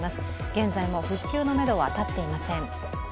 現在も復旧のめどはたっていません。